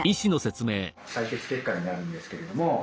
採血結果になるんですけれども。